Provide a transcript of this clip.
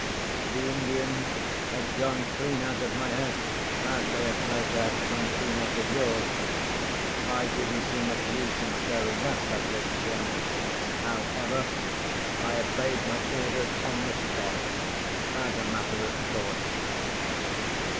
The Indians had gone clean out of my head (as they have, no doubt, gone clean out of yours). I didn't see much use in stirring that subject again. However, I obeyed my orders on the spot, as a matter of course.